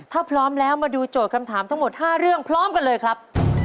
ถ้าพร้อมแล้วมาดูโจทย์คำถามทั้งหมด๕เรื่องพร้อมกันเลยครับ